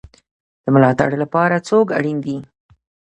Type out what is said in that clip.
د ملاتړ لپاره څوک اړین دی؟